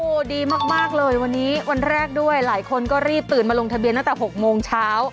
โอ้โหดีมากเลยวันนี้วันแรกด้วยหลายคนก็รีบตื่นมาลงทะเบียนตั้งแต่๖โมงเช้า